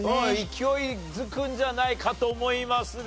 勢いづくんじゃないかと思いますが。